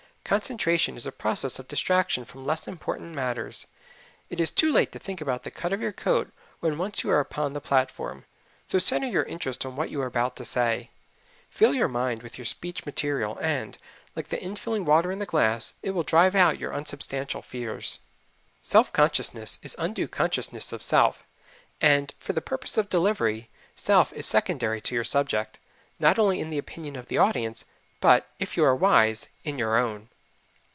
Concentration is a process of distraction from less important matters. It is too late to think about the cut of your coat when once you are upon the platform, so centre your interest on what you are about to say fill your mind with your speech material and, like the infilling water in the glass, it will drive out your unsubstantial fears. Self consciousness is undue consciousness of self, and, for the purpose of delivery, self is secondary to your subject, not only in the opinion of the audience, but, if you are wise, in your own.